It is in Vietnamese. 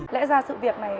lẽ ra sự việc này